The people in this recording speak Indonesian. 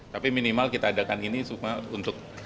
tapi minimal kita adakan ini semua untuk